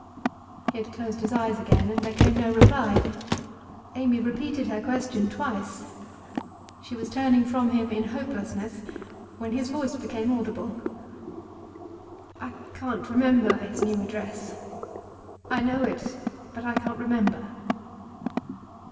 He had closed his eyes again, and there came no reply. Amy repeated her question twice; she was turning from him in hopelessness when his voice became audible. 'I can't remember his new address. I know it, but I can't remember.